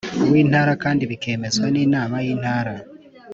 w Intara kandi bikemezwa n Inama y Intara